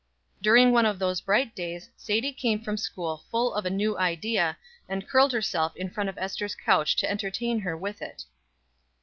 During one of those bright days Sadie came from school full of a new idea, and curled herself in front of Ester's couch to entertain her with it.